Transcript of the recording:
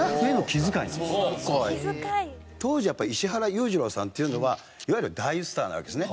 当時やっぱり石原裕次郎さんっていうのはいわゆる大スターなわけですね。